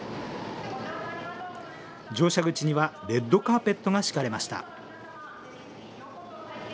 乗車口にはレッドカーペットが敷かれました。